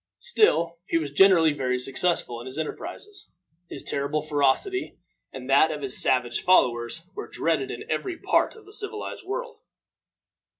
Still he was generally very successful in his enterprises; his terrible ferocity, and that of his savage followers, were dreaded in every part of the civilized world.